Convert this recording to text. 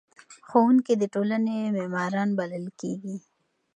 ښوونکي د ټولنې معماران بلل کیږي.